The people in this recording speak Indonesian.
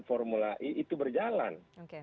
formula i itu berjalan